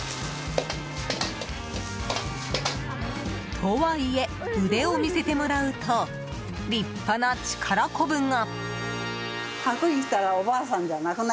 とはいえ腕を見せてもらうと立派な力こぶが。